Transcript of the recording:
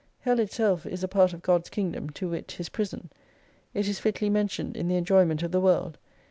Hell itself is a part of God's Kingdom, to wit His prison. It is fitly mentioned in the enjoyment of the world.